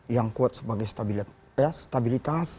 yang kuat sebagai stabilitas